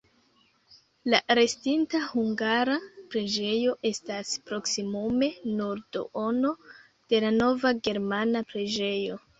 La restinta hungara preĝejo estas proksimume nur duono de la nova germana preĝejo.